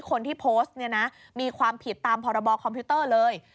คนที่โพสต์เนี่ยนะมีความผิดตามพรบคอมพิวเตอร์เลย